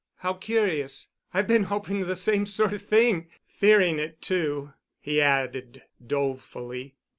"How curious! I've been hoping the same sort of thing—fearing it, too," he added dolefully.